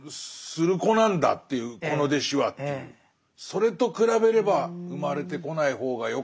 それと比べれば生まれてこない方がよかった。